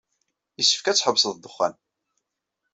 Yessefk ad tḥebseḍ ddexxan.